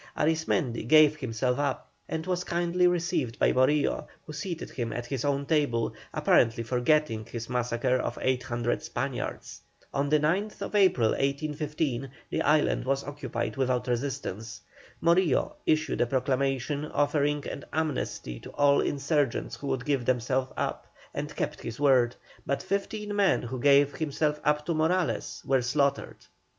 Arismendi gave himself up, and was kindly received by Morillo, who seated him at his own table, apparently forgetting his massacre of eight hundred Spaniards. On the 9th April, 1815, the island was occupied without resistance. Morillo issued a proclamation offering an amnesty to all insurgents who would give themselves up, and kept his word; but fifteen men who gave themselves up to Morales were slaughtered.